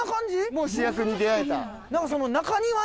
もう主役に出合えた。